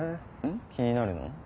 気になるの？